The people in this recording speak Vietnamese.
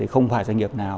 không phải doanh nghiệp nào